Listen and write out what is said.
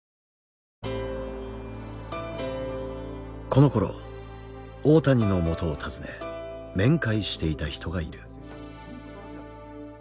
このころ大谷のもとを訪ね面会していた人がいる。